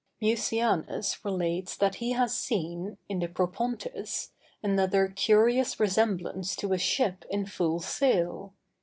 Mucianus relates that he has seen, in the Propontis, another curious resemblance to a ship in full sail.